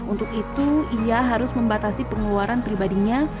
untuk itu ia harus membatasi pengeluaran pribadinya